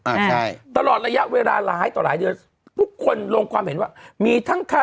อ่าใช่ตลอดระยะเวลาหลายต่อหลายเดือนทุกคนลงความเห็นว่ามีทั้งค่า